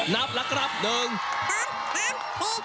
นับละครับดึง